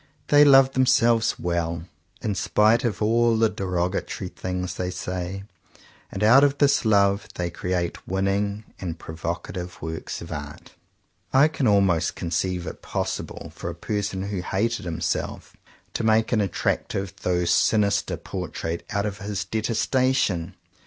They love themselves well, in spite of all the derogatory things they say; and out of this love they create winning and provo cative works of art. I can almost conceive it possible for a person who hated himself, to make an attractive, though sinister portrait out of his detestation.